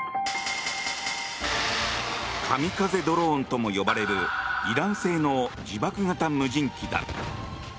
カミカゼドローンとも呼ばれるイラン製の自爆型無人機だ。